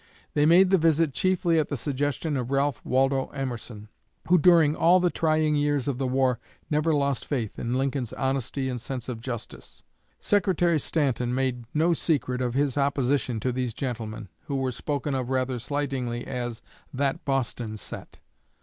They made the visit chiefly at the suggestion of Ralph Waldo Emerson, who during all the trying years of the war never lost faith in Lincoln's honesty and sense of justice. Secretary Stanton made no secret of his opposition to these gentlemen, who were spoken of rather slightingly as "that Boston set."